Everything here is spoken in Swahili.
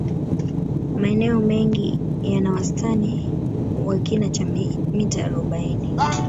Maeneo mengi yana wastani wa kina cha mita arobaini